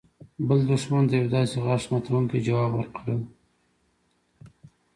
بل دښمن ته يو داسې غاښ ماتونکى ځواب ورکړل.